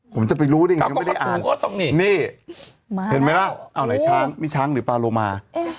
ผมจะไปรู้ได้ไงยังไม่ได้อ่านนี่เห็นไหมล่ะเอาไหนช้างนี่ช้างหรือปลาโลมา